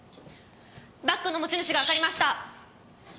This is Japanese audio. バッグの持ち主がわかりました！